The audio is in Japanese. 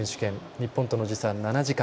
日本との時差、７時間。